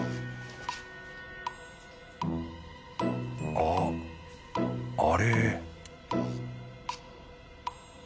ああれ